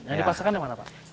yang dipaksakan yang mana pak